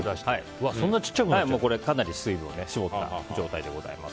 かなり水分を絞った状態です。